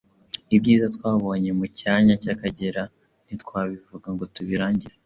Ibyiza twabonye mu cyanya cy’Akagera ntitwabivuga ngo tubirangize,